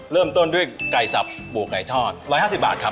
เริ่มต้นด้วยไก่ศัพท์บวกไก่ทอดร้อยห้าสิบบาทครับ